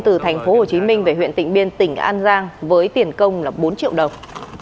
từ thành phố hồ chí minh về huyện tỉnh biên tỉnh an giang với tiền công bốn triệu đồng